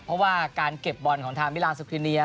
เพราะว่าการเก็บบอลของทางมิลานสุครีเนีย